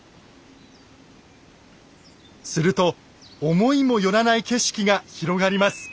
すると思いも寄らない景色が広がります。